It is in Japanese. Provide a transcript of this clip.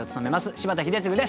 柴田英嗣です。